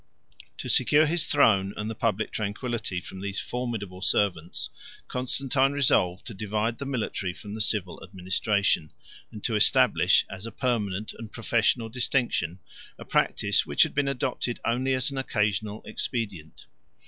125 To secure his throne and the public tranquillity from these formidable servants, Constantine resolved to divide the military from the civil administration, and to establish, as a permanent and professional distinction, a practice which had been adopted only as an occasional expedient.